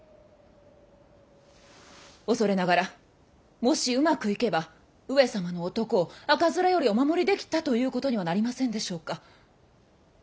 恐れながらもしうまくいけば上様の男を赤面よりお守りできたということにはなりませんでしょうか。